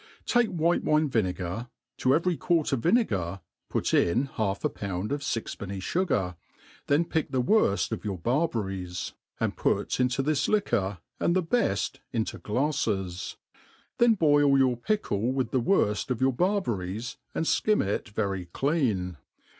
TAKE white wine vinegar; to every quart of vinegar put in half a pound of fixpenny fugar, then p ick the worft of your barberries, and put into this liquor, and the beft into gfaffes J then boil your pickle with the woril of your barber ries, and ikim it very clean.